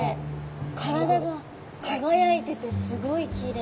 体が輝いててすごいきれい。